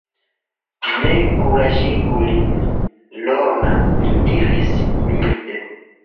Ne kuraĝigu lin, Lorna, li diris milde.